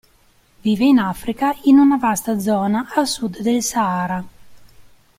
Vive in Africa, in una vasta zona a sud del Sahara.